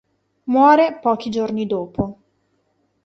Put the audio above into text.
Muore pochi giorni dopo.